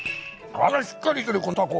味がしっかりしてるこのたこ。